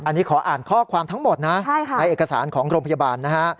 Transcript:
อันนี้ขออ่านข้อความทั้งหมดนะในเอกสารของโรงพยาบาลนะฮะ